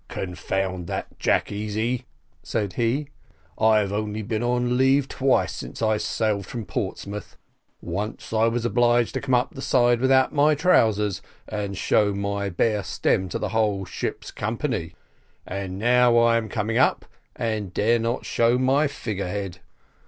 "Confound that Jack Easy," said he, "I have only been on leave twice since I sailed from Portsmouth once I was obliged to come up the side without my trousers, and show my bare stern to the whole ship's company, and now I am coming up, and dare not show my figure head."